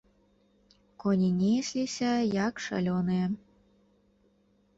Коні несліся, як шалёныя.